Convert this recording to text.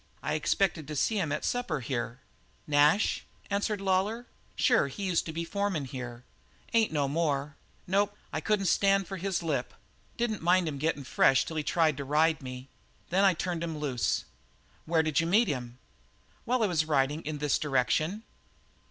I expected to see him at supper here." "Nash?" answered Lawlor. "Sure, he used to be foreman here. Ain't no more. Nope I couldn't stand for his lip. Didn't mind him getting fresh till he tried to ride me. Then I turned him loose. Where did you meet him?" "While I was riding in this direction."